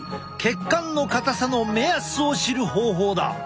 血管の硬さの目安を知る方法だ。